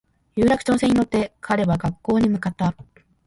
有楽町線に乗って彼は学校に向かった